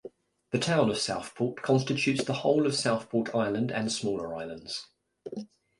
The Town of Southport constitutes the whole of Southport Island and smaller islands.